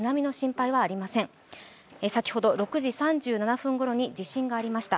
先ほど６時３７分ごろに地震がありました。